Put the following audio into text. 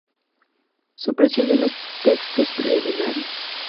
Supresión de los textos preliminares.